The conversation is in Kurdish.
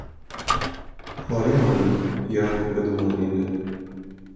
Xwarina min ya ku bidim we nîne.